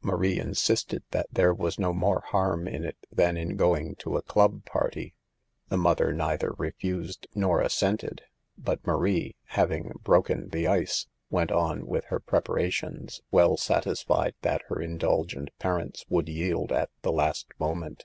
Marie insisted that there was jio more harm in it than in going to a club party. The mother neither refused nor assented, but Marie, hav ing "broken the ice," went on with her prep arations, well satisfied that her indulgent parents would yield at the last moment.